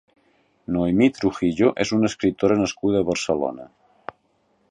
Noemí Trujillo és una escriptora nascuda a Barcelona.